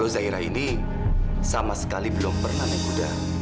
jadi belum pernah nek uda